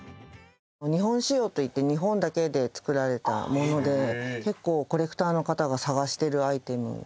日本仕様といって日本だけで作られたもので結構コレクターの方が探してるアイテムになってて。